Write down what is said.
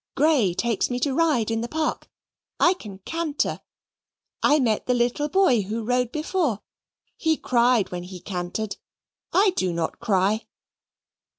Grey takes me to ride in the park. I can canter. I met the little boy who rode before. He cried when he cantered. I do not cry."